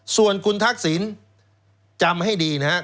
ส่วนคุณทักษิณจำให้ดีนะครับ